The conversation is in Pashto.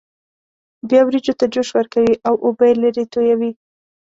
بیا وریجو ته جوش ورکوي او اوبه یې لرې تویوي.